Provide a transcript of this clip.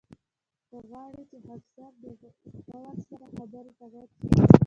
که غواړې چې همسر دې غور سره خبرو ته غوږ شي.